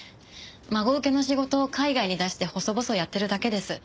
孫請けの仕事を海外に出して細々やってるだけです。